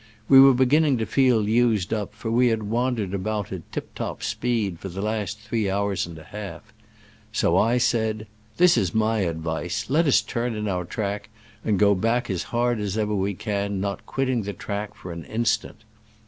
We were beginning to feel used up, for we had wandered about at tiptop speed for the last three hours and a half; so I said, " This is my advice : let us turn in our track, and go back as hard as ever we can, not quitting the track for an in stant."